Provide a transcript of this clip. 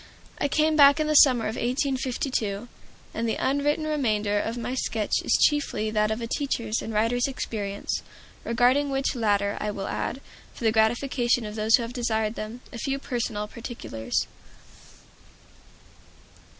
I came back in the summer of 1852, and the unwritten remainder of my sketch is chiefly that of a teacher's and writer's experience; regarding which latter I will add, for the gratification of those who have desired them, a few personal particulars.